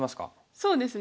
そうですね。